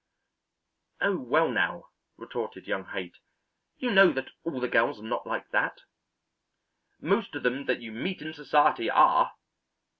"Oh, well now," retorted young Haight, "you know that all the girls are not like that." "Most of them that you meet in society are."